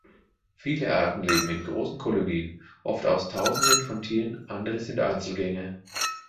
Viele Arten leben in großen Kolonien, oft aus Tausenden von Tieren, andere sind Einzelgänger.